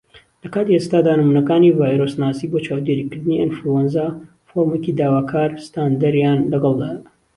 لە کاتی ئێستادا، نمونەکانی ڤایرۆسناسی بۆ چاودێریکردنی ئەنفلوەنزا فۆرمێکی داواکار ستاندەریان لەگەڵدایە.